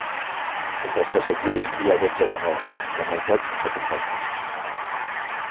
Entre els passatgers hi ha dotze menors, la meitat sense acompanyants.